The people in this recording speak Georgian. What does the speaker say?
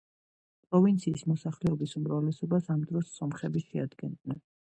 პროვინციის მოსახლეობის უმრავლესობას ამ დროს სომხები შეადგენდნენ.